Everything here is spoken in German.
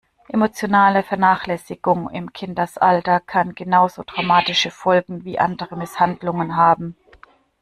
Emotionale Vernachlässigung im Kindesalter kann genauso traumatische Folgen wie andere Misshandlungen haben.